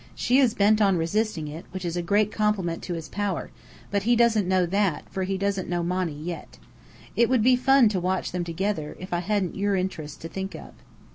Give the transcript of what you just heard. She is bent on resisting it which is a great compliment to his power but he doesn't know that, for he doesn't know Monny yet. It would be fun to watch them together, if I hadn't your interests to think of.